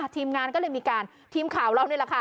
ทีมงานก็เลยมีการทีมข่าวเรานี่แหละค่ะ